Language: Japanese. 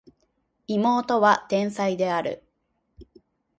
妹は天才である